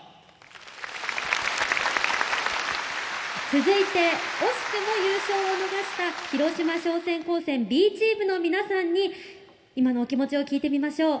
続いて惜しくも優勝を逃した広島商船高専Ｂチームの皆さんに今のお気持ちを聞いてみましょう。